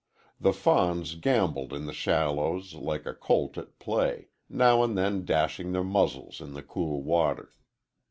The fawns gambolled in the shallows like a colt at play, now and then dashing their muzzles in the cool water.